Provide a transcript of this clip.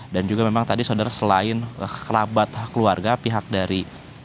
dan juga memang tadi saudara selain kerabat keluarga pihak dari